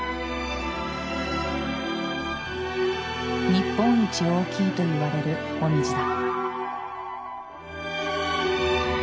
日本一大きいといわれるモミジだ。